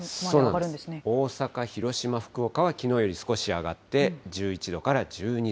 そうなんです、大阪、広島、福岡はきのうより少し上がって１１度から１２度。